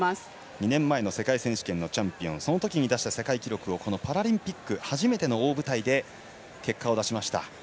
２年前の世界選手権のチャンピオンそのときに出した世界記録をパラリンピック初めての大舞台で結果を出しました。